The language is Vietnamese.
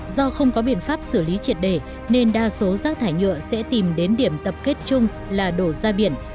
do không có biện pháp xử lý triệt đề nên đa số rác thải nhựa sẽ tìm đến điểm tập kết chung là đổ ra biển